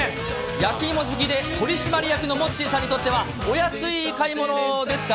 焼き芋好きで、取締役のモッチーさんにとっては、お安い買い物ですか？